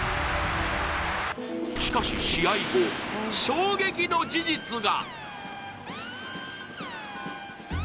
しかし、試合後、衝撃の事実が。